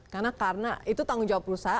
karena itu tanggung jawab perusahaan